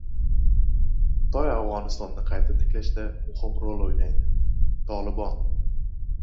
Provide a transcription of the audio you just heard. Xitoy Afg‘onistonni qayta tiklashda muhim rol o‘ynaydi — "Tolibon"